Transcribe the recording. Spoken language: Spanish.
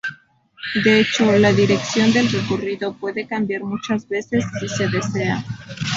De hecho, la dirección del recorrido puede cambiar muchas veces, si se desea.